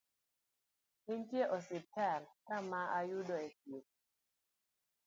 Entie e osiptal ka ma oyudo e thieth